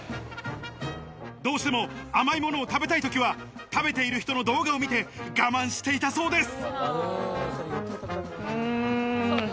どうしても甘いものを食べたい時は食べている人の動画を見て、我慢していたそうです。